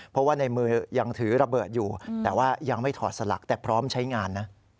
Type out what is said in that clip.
เพราะว่าในมือยังถือระเบิดอยู่แต่ว่ายังไม่ถอดสลักแต่พร้อมใช้งานนะ